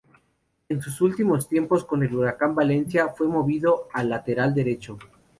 En sus últimos tiempos con el Huracán Valencia, fue movido al lateral derecho.